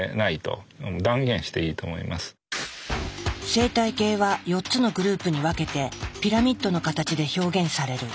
生態系は４つのグループに分けてピラミッドの形で表現される。